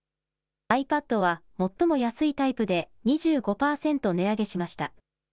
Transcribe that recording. ｉＰａｄは最も安いタイプで２５％値上げしました。